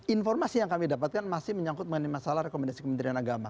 informasi yang kami dapatkan masih menyangkut mengenai masalah rekomendasi kementerian agama